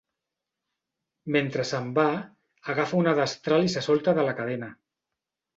Mentre se'n va, agafa una destral i se solta de la cadena.